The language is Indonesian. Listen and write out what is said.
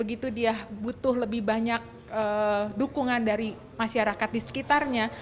begitu dia butuh lebih banyak dukungan dari masyarakat di sekitarnya